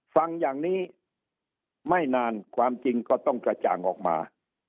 ฟังอย่างนี้ไม่นานความจริงก็ต้องกระจ่างออกมา